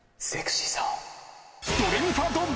「ドレミファドン」。